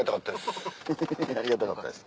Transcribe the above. ありがたかったです。